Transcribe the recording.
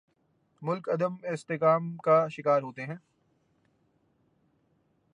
ملک عدم استحکام کا شکار ہوتے ہیں۔